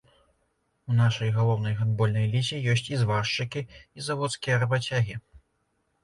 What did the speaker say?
У нашай галоўнай гандбольнай лізе ёсць і зваршчыкі, і заводскія рабацягі.